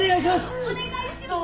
お願いします！